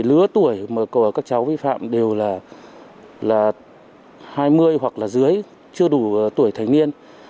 lứa tuổi của các cháu vi phạm đều là hai mươi hoặc dưới chưa đủ tuổi thanh niên